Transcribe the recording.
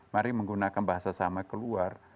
mari menggunakan bahasa sama keluar